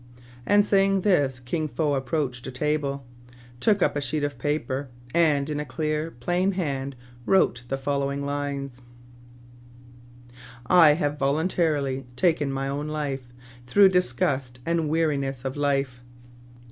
And, saying this, Kin Fo approached a table, took up a sheet of paper, and, in a clear, plain hand, wrote the following lines :—" I have voluntarily taken my own life, through disgust and weariness of life."